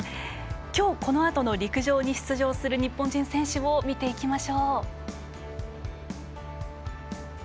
今日このあとの陸上に出場する日本人選手を見ていきます。